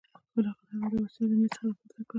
بالاخره هغه دا وسيله له مېز څخه راپورته کړه.